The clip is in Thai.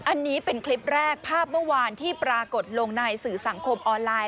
อันนี้เป็นคลิปแรกภาพเมื่อวานที่ปรากฏลงในสื่อสังคมออนไลน